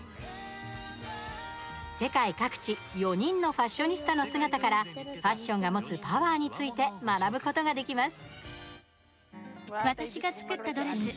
世界各地４人のファッショニスタの姿からファッションが持つパワーについて学ぶことができます。